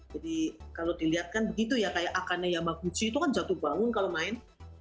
jadi kalau dilihat kan begitu ya kayak akane yamaguchi itu kan jatuh bangun kalau main